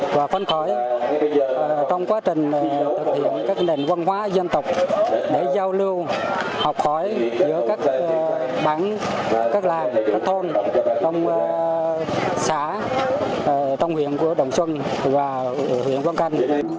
và khó khói trong quá trình thực hiện các nền quân hóa dân tộc để giao lưu học khói giữa các bảng các làng các thôn trong xã trong huyện của đồng xuân và huyện quang căn